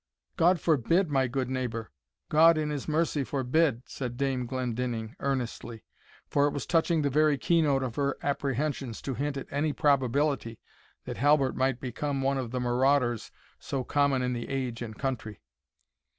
"God forbid, my good neighbour; God, in his mercy, forbid!" said Dame Glendinning, earnestly; for it was touching the very key note of her apprehensions, to hint any probability that Halbert might become one of the marauders so common in the age and country.